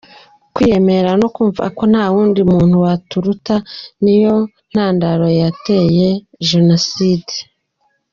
Kwiyemera no kumva ko nta wundi muntu waturuta niyo ntandaro yateye genocide!